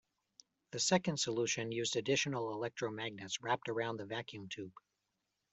The second solution used additional electromagnets wrapped around the vacuum tube.